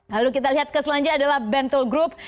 lalu kita lihat keselanjutnya adalah bentle group